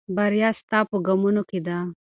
بریا ستا په قدمونو کې ده.